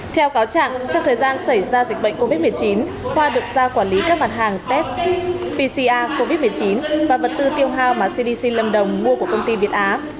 theo cáo trạng trong thời gian xảy ra dịch bệnh covid một mươi chín khoa được ra quản lý các mặt hàng test pcr covid một mươi chín và vật tư tiêu hao mà cdc lâm đồng mua của công ty việt á